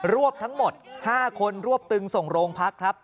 วบทั้งหมด๕คนรวบตึงส่งโรงพักครับ